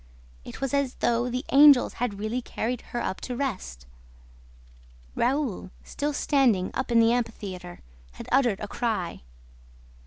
It was as though the angels had really carried her up "to rest." Raoul, still standing up in the amphitheater, had uttered a cry.